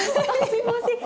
すいません